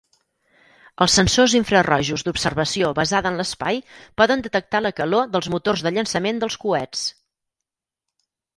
Els sensors infrarojos d'observació basada en l'espai poden detectar la calor dels motors de llançament dels coets.